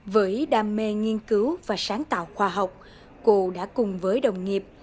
với đam mê nghiên cứu và sáng tạo khoa học cô đã cùng với đồng nghiệp